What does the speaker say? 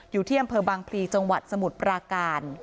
อยู่ที่อำเภอบางพลีจังหวัดสมุทรปราการ